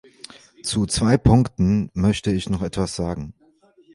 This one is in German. Zu zwei Punkten möchte ich noch etwas sagen.